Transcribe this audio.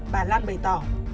bà lan bày tỏ